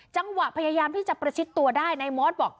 พยายามที่จะประชิดตัวได้นายมอสบอก